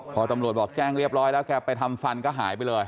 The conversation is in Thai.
พอตำรวจบอกแจ้งเรียบร้อยแล้วแกไปทำฟันก็หายไปเลย